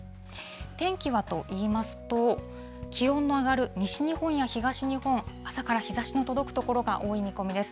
天気はといいますと、気温の上がる西日本や東日本、朝から日ざしの届く所が多い見込みです。